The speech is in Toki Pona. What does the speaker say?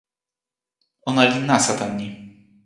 ona li nasa tan ni.